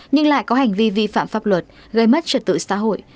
nhưng lại có hành vi vi phạm pháp luật gây mất trật tự xã hội